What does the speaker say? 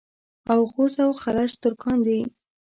اوغوز او خَلَج ترکان دي.